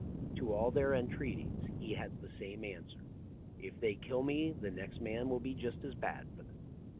To all their entreaties he had the same answer :' If they kill me the next man will .be just as bad for them.